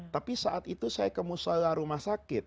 tapi saat itu saya kemusalah rumah sakit